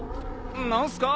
何すか？